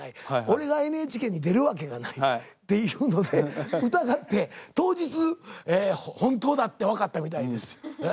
俺がＮＨＫに出るわけがないっていうので疑って当日本当だって分かったみたいです。